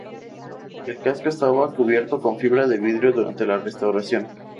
El casco estaba cubierto con fibra de vidrio durante la restauración.